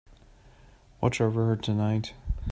Watch over her tonight.